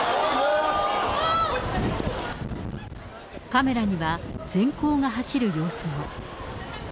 カメラには、せん光が走る様子も。